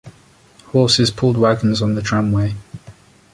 Horses pulled wagons on the tramway.